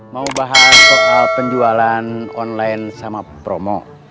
mau bahas soal penjualan online sama promo